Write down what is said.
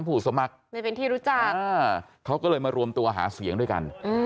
ผู้สมัครไม่เป็นที่รู้จักเขาก็เลยมารวมตัวหาเสียงด้วยกัน